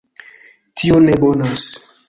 Tio ne bonas!